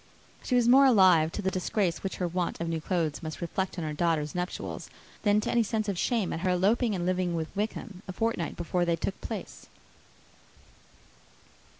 She was more alive to the disgrace, which her want of new clothes must reflect on her daughter's nuptials, than to any sense of shame at her eloping and living with Wickham a fortnight before they took place.